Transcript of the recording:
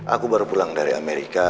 aku baru pulang dari amerika